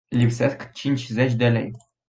Lipsesc cincizeci de lei.